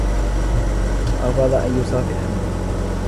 رفض ان يصافحني